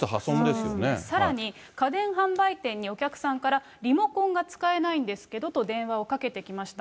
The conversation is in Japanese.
さらに、家電販売店にお客さんからリモコンが使えないんですけどと、電話をかけてきました。